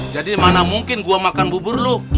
jadi mana mungkin gue makan bubur lu